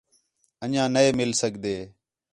انڄیاں نے مِل سڳدے